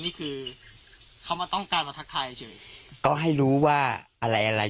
นี่คือเขามาต้องการมาทักทายเฉยก็ให้รู้ว่าอะไรอะไร